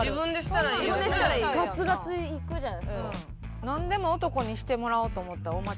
ガツガツいくじゃないですか。